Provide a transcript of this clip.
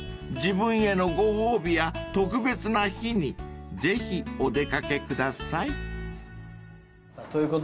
［自分へのご褒美や特別な日にぜひお出掛けください］